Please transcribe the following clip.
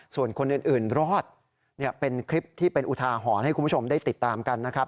ส่วนคนอื่นรอดเป็นคลิปที่เป็นอุทาหรณ์ให้คุณผู้ชมได้ติดตามกันนะครับ